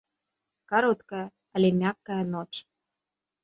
Кароткая, але мяккая ноч.